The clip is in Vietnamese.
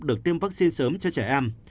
được tiêm vaccine sớm cho trẻ em